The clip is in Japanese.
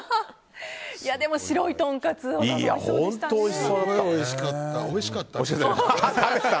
でも、白いとんかつおいしそうでしたね。